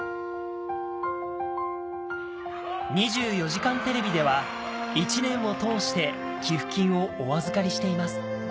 『２４時間テレビ』では１年を通して寄付金をお預かりしています